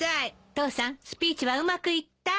父さんスピーチはうまくいった？